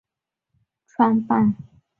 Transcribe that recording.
由日本珍珠加工界元老藤堂安家创办。